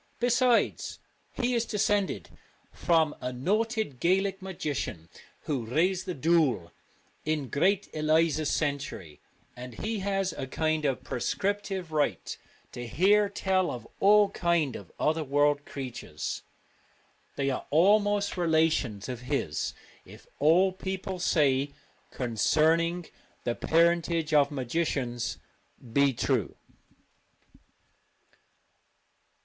Besides, he is descended from a noted Gaelic magician who raised the ' dhoul ' in Great Eliza's century, and he has a kind of prescriptive right to hear tell of all kind of other world creatures. They are almost relations of his, if all people say concerning the parentage of magicians be true.